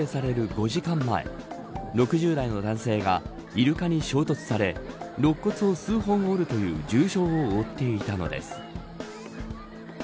５時間前６０代の男性がイルカに衝突され肋骨を数本を折るという重傷を負っていたのです。